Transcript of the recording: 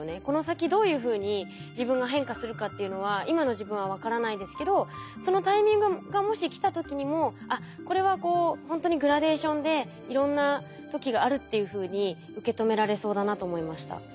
この先どういうふうに自分が変化するかっていうのは今の自分は分からないですけどそのタイミングがもし来た時にもあっこれはこうほんとにグラデーションでいろんな時があるっていうふうに受け止められそうだなと思いました。